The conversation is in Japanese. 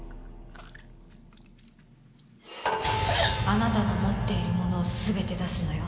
あなたの持っているものを全て出すのよ。